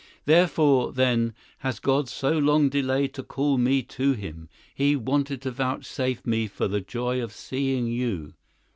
"Therefore, then, has God so long delayed to call me to Him. He wanted to vouchsafe me the joy of seeing you."